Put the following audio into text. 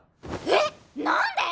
えっ！？何で！？